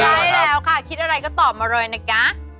ใช่แล้วค่ะคิดอะไรก็ตอบมาเลยนะจ๊ะ